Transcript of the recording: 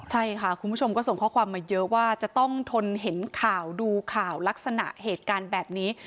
ใช่ค่ะคุณผู้ชมก็ส่งข้อความมาเยอะว่าจะต้องทนเห็นข่าวดูข่าวลักษณะเหตุการณ์แบบนี้